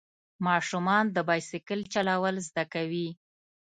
ماشومان د بایسکل چلول زده کوي.